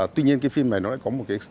tuy nhiên cái phim này nó lại có một cái